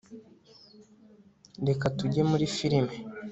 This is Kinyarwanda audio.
reka tujye muri firime